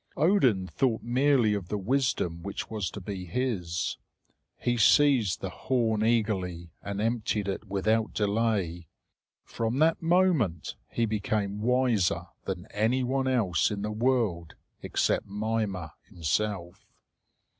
Odin thought merely of the wisdom which was to be his. He seized the horn eagerly, and emptied it without delay. From that moment he became wiser than anyone else in the world except Mimer himself.